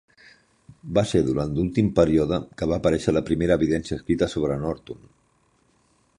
Va ser durant l'últim període que va aparèixer la primera evidència escrita sobre Norton.